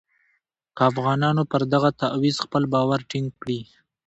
که افغانان پر دغه تعویض خپل باور ټینګ کړي.